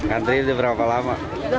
antri itu berapa lama